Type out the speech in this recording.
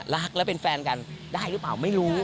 รักและเป็นแฟนกันได้หรือเปล่าไม่รู้